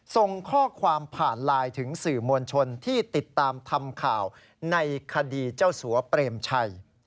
ส่งข้อความผ่านไลน์ถึงสื่อมวลชนที่ติดตามทำข่าวในคดีเจ้าสัวเปรมชัย